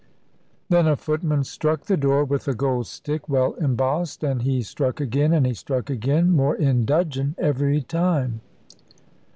Then a footman struck the door with a gold stick well embossed; and he struck again, and he struck again, more in dudgeon every time.